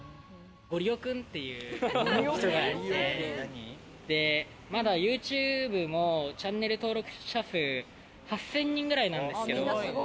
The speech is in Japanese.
ごりおくんっていう人がいて、まだＹｏｕＴｕｂｅのチャンネル登録者数は８０００人ぐらいなんですけど。